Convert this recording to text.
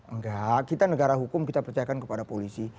enggak kita negara hukum kita percayakan kepada polisi